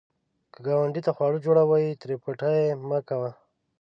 که ګاونډي ته خواړه جوړوې، ترې پټ یې مه کوه